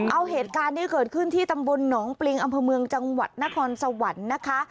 เอาเหตุการณ์นี้เกิดขึ้นที่ตำบลหนองปริงอำเภอเมืองจังหวัดนครสวรรค์นะคะ